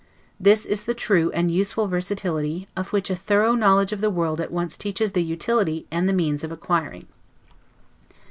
This is the true and useful versatility, of which a thorough knowledge of the world at once teaches the utility and the means of acquiring.